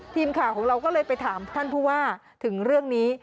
ทีมข่าวของเราก็เลยไปถามท่านผู้ว่าถึงเรื่องนี้